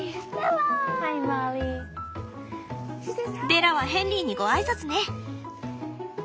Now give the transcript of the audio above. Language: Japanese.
ベラはヘンリーにご挨拶ね。